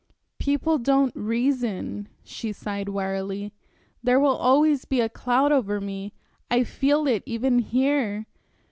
"People don't reason." She sighed wearily. "There will always be a cloud over me I feel it even here.